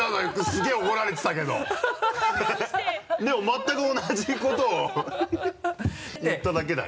全く同じことを言っただけだよ。